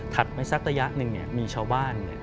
ไปสักระยะหนึ่งมีชาวบ้าน